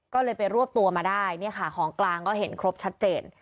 ก็เลยไปรวบตัวมาได้เนี่ยค่ะของกลางก็เห็นครบชัดเจน